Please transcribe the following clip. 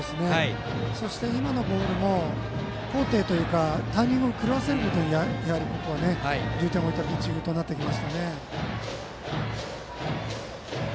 そして、今のボールも高低というかタイミングを狂わせることに重点を置いたピッチングになってきましたね。